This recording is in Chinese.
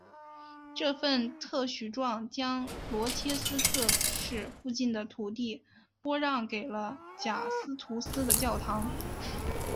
这份特许状将罗切斯特市附近的土地拨让给了贾斯图斯的教堂。